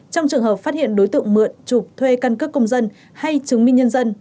trong trường hợp phát hiện đối tượng mượn chụp thuê căn cước công dân hay chứng minh nhân dân